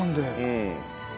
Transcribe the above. うん。